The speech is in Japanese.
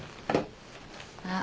あっ。